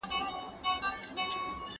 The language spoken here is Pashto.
¬ بزه له لېوه تښتېده، د قصاب کره ئې شپه سوه.